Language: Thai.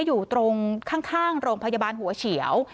อยู่ตรงข้างโรงพยาบาลหัวเฉียว